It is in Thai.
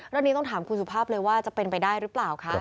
เรื่องนี้ต้องถามคุณสุภาพเลยว่าจะเป็นไปได้หรือเปล่าคะ